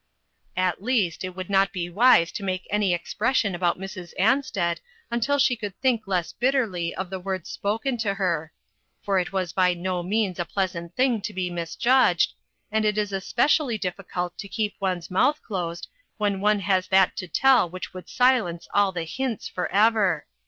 At least, it would not be wise to make UNPALATABLE TRUTHS. 359 any expression about Mrs. Ansted until she could think less bitterly of the words spoken to her ; for it is by no means a pleasant thing to be misjudged, and it is especially difficult to keep one's mouth closed when one has that to tell which would silence all the hints forever.